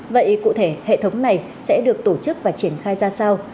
vậy cụ thể hệ thống này sẽ được tổ chức và triển khai ra sao